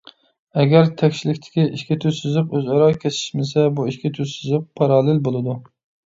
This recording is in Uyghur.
ئەگەر تەكشىلىكتىكى ئىككى تۈز سىزىق ئۆزئارا كېسىشمىسە، بۇ ئىككى تۈز سىزىق پاراللېل بولىدۇ.